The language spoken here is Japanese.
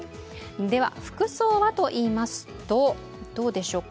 では服装はといいますとどうでしょう。